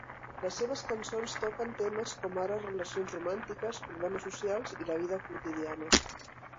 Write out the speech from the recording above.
Les seves cançons toquen temes com ara relacions romàntiques, problemes socials i la vida quotidiana.